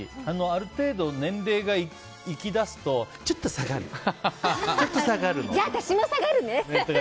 ある程度、年齢がいきだすとちょっと下がるのって。